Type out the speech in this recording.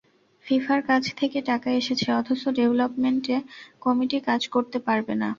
ফিফার কাছ থেকে টাকা এসেছে অথচ ডেভেলপমেন্ট কমিটি কাজ করতে পারবে না।